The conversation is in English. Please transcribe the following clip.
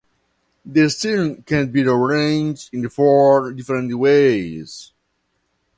The seating can be arranged in four different ways.